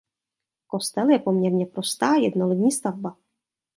Kostel je poměrně prostá jednolodní stavba.